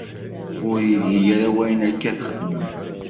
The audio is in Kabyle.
Ur ilhi ara wayen akka i txedmem.